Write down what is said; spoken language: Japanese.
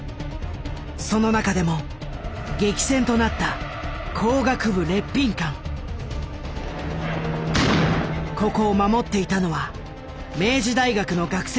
その中でも激戦となったここを守っていたのは明治大学の学生たち。